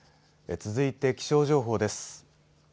続いて気象情報です。